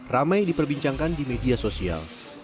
ramai diperbincangkan di media sosial